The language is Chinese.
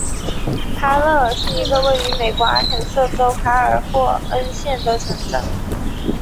哈勒尔是一个位于美国阿肯色州卡尔霍恩县的城镇。